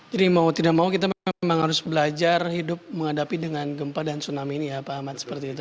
jadi mau tidak mau kita memang harus belajar hidup menghadapi dengan gempa dan tsunami ini ya pak ahmad seperti itu